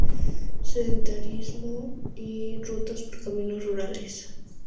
Senderismo y rutas por caminos rurales.